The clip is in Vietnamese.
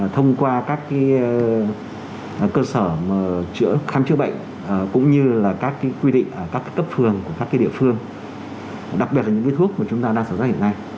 thông qua các cơ sở khám chữa bệnh cũng như là các quy định ở các cấp phường các địa phương đặc biệt là những thuốc mà chúng ta đang sử dụng hiện nay